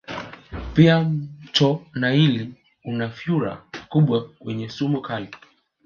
Pia mto naili una vyura wakubwa wenye sumu kali